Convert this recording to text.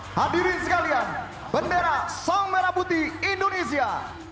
hadirin sekalian bendera sang merah putih indonesia